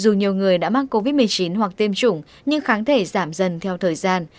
dù nhiều người đã mắc covid một mươi chín hoặc tiêm chủng nhưng kháng thể giảm dần theo thời gian